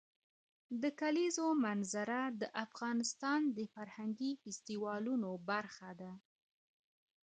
د کلیزو منظره د افغانستان د فرهنګي فستیوالونو برخه ده.